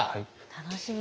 楽しみ。